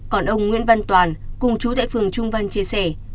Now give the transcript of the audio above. còn ông nguyễn văn toàn cùng chú tại phường trung văn chia sẻ